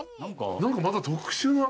何かまた特殊な。